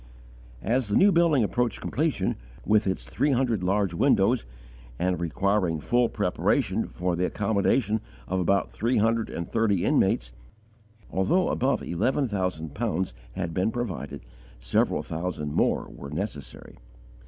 As the new building approached completion, with its three hundred large windows, and requiring full preparation for the accommodation of about three hundred and thirty inmates, although above eleven thousand pounds had been provided, several thousand more were necessary.